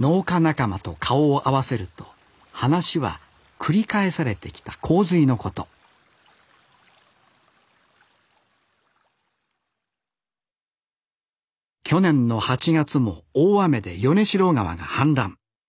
農家仲間と顔を合わせると話は繰り返されてきた洪水のこと去年の８月も大雨で米代川が氾濫。